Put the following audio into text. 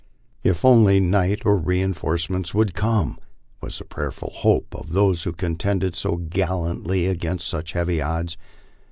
If only night or reinforcements would come ! was the prayerful hope of those who contended so gallantly against such heavy odds.